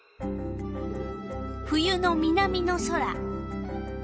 冬の南の空。